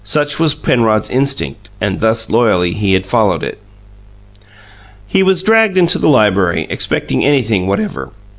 Such was Penrod's instinct, and thus loyally he had followed it. ... He was dragged into the library, expecting anything whatever.